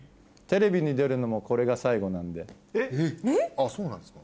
あっそうなんですか？